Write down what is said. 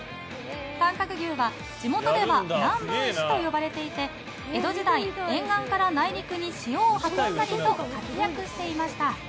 短角牛は地元では南部牛と呼ばれていて江戸時代、沿岸から内陸に塩を運んだりと活躍していました。